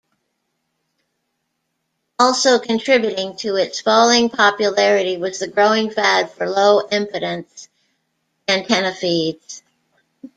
Also contributing to its falling popularity was the growing fad for low-impedance antenna feeds.